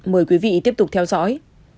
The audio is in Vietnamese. mời quý vị tiếp tục theo dõi